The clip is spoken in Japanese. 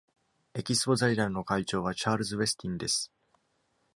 エキスポ財団の会長は、チャールズ・ウェスティンです。